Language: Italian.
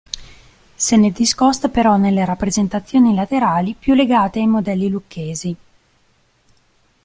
Se ne discosta però nelle rappresentazioni laterali, più legate ai modelli lucchesi.